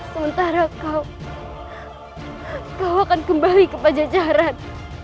sementara kau akan kembali ke pajajaran